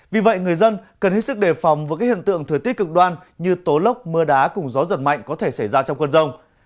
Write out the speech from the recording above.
vì vậy người dân cần hết sức đề phòng với các hiện tượng thời tiết cực đoan như tố lốc mưa đá cùng gió giật mạnh có thể xảy ra trong cơn rông